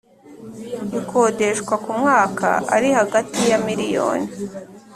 ikodeshwa ku mwaka ari hagati ya miliyoni